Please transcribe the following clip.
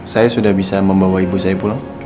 saya sudah bisa membawa ibu saya pulang